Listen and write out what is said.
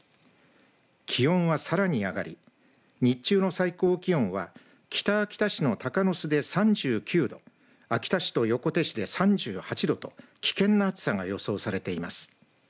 気温はさらに上がり日中の最高気温は北秋田市の鷹巣で３９度秋田市と横手市で３８度と危険な暑さが予想されています。